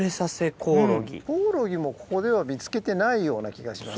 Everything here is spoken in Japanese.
コオロギもここでは見つけてないような気がします。